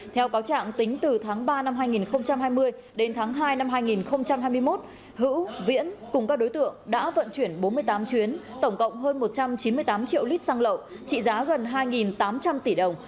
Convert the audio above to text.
theo cáo trạng tính từ tháng ba năm hai nghìn hai mươi đến tháng hai năm hai nghìn hai mươi một hữu viễn cùng các đối tượng đã vận chuyển bốn mươi tám chuyến tổng cộng hơn một trăm chín mươi tám triệu lít xăng lậu trị giá gần hai tám trăm linh tỷ đồng